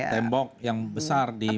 tembok yang besar di